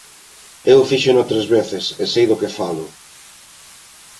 Eu fíxeno tres veces, e sei do que falo.